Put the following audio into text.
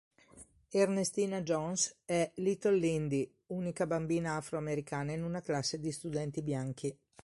Ernestina Jones è "Little Lindy", unica bambina afroamericana in una classe di studenti bianchi.